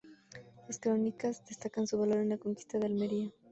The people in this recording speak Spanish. Las crónicas destacan su valor en la conquista de Almería.